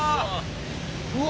うわ。